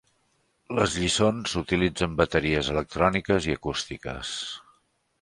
Les lliçons utilitzen bateries electròniques i acústiques.